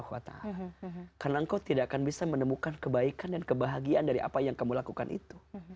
karena engkau tidak akan bisa menemukan kebaikan dan kebahagiaan dari apa yang kamu lakukan itu